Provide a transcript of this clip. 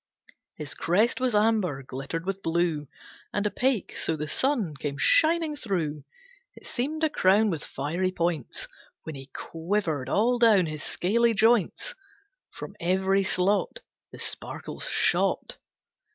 His crest was amber glittered with blue, And opaque so the sun came shining through. It seemed a crown with fiery points. When he quivered all down his scaly joints, From every slot The sparkles shot.